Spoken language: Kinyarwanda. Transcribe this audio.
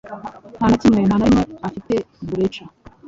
nta na kimwe nta na rimwe afite Breca